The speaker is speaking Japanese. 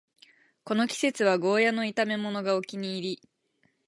この季節はゴーヤの炒めものがお気に入り